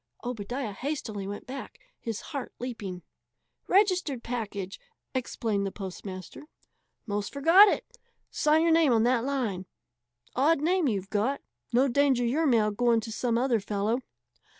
Obadiah hastily went back, his heart leaping. "Registered package," explained the postmaster. "'Most forgot it. Sign your name on that line. Odd name you've got. No danger your mail going to some other fellow."